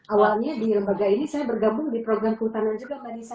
awalnya di lembaga ini saya bergabung di program kehutanan juga mbak nisa